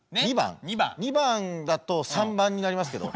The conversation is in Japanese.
２番だと３番になりますけど。